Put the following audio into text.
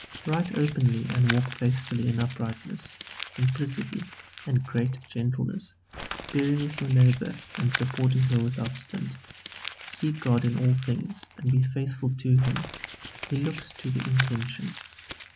Write openly and walk faithfully in uprightness, simplicity, and great gentleness, bearing with your neighbour, and supporting her without stint. Seek God in all things and be faithful to Him. He looks to the intention.